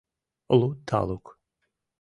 Лу талук